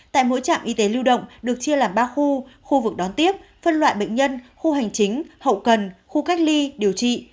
tại mỗi trạm y tế lưu động được chia làm ba khu khu vực đón tiếp phân loại bệnh nhân khu hành chính hậu cần khu cách ly điều trị